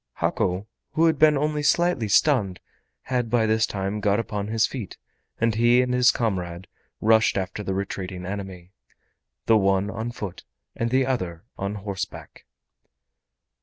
Hako, who had been only slightly stunned, had by this time got upon his feet, and he and his comrade rushed after the retreating enemy, the one on foot and the other on horseback.